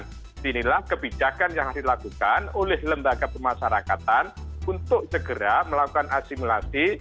disinilah kebijakan yang harus dilakukan oleh lembaga pemasarakatan untuk segera melakukan asimilasi